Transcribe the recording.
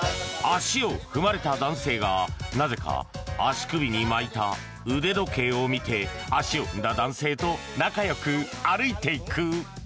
足を踏まれた男性がなぜか足首に巻いた腕時計を見て足を踏んだ男性と仲よく歩いていく。